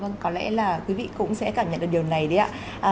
vâng có lẽ là quý vị cũng sẽ cảm nhận được điều này đấy ạ